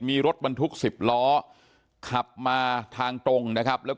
มีรถบรรทุก๑๐ล้อขับมาทางตรงนะครับแล้ว